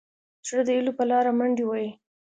زړه د هيلو په لاره منډې وهي.